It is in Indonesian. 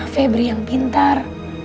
febre yang pintar